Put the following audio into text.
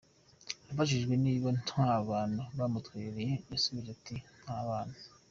Abajijwe niba nta bantu bamutwerereye yasubije ati “Nta bantu